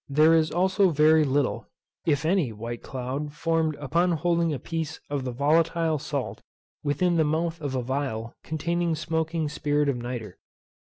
There is also very little, if any white cloud formed upon holding a piece of the volatile salt within the mouth of a phial containing smoking spirit of nitre.